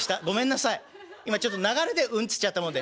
今ちょっと流れで『うん』っつっちゃったもんで。